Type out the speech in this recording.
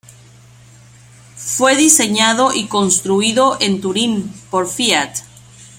Fue diseñado y construido en Turín por Fiat.